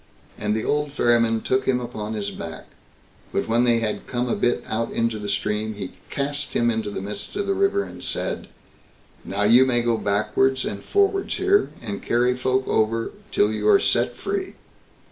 And the old ferryman took him upon his back; but when they had come a bit out into the stream, he cast him into the midst of the river, and said, "Now you may go backwards and forwards here, and carry folk over till you are set free."